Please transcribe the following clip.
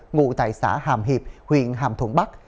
ngụ tại xã hàm hiệp huyện hàm thuận bắc